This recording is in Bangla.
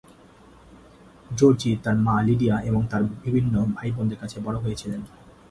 জর্জি তার মা লিডিয়া এবং তার বিভিন্ন ভাইবোনদের কাছে বড় হয়েছিলেন।